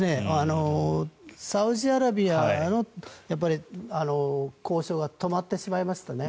サウジアラビアとの交渉が止まってしまいましたね。